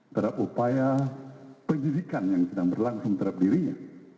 terhadap upaya penyidikan yang sedang berlangsung terhadap dirinya